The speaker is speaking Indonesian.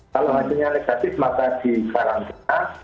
kalau hasilnya negatif maka disarankan